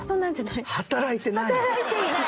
働いてない。